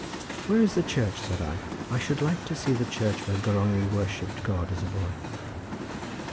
"Where is the church?" said I. "I should like to see the church where Gronwy worshipped God as a boy."